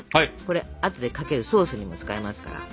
これあとでかけるソースにも使えますから。